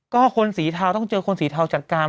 ก็คนสีเทาต้องเจอคนสีเทาจัดการ